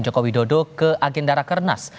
presiden jokowi dodo ke agendara kernas